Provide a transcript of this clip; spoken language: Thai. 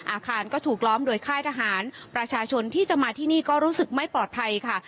อาคารก็ถูกล้อมโดยค่ายทหารประชาชนที่จะมาที่นี่ก็รู้สึกไม่ปลอดภัยค่ะ